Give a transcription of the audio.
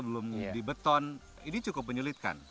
belum di beton ini cukup menyulitkan